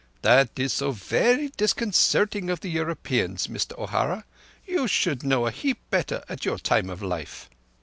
"That is so verree disconcerting of the Europeans, Mister O'Hara. You should know a heap better at your time of life."